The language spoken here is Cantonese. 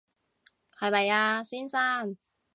係咪啊，先生